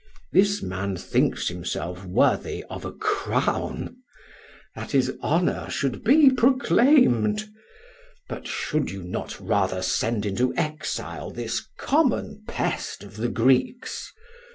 This man thinks himself worthy of a crown that his honor should be proclaimed. But should you not rather send into exile this common pest of the Greeks?